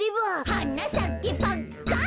「はなさけパッカン」